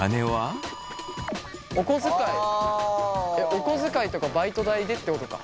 お小遣いとかバイト代でってことか。